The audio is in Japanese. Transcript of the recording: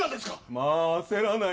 まあ焦らない。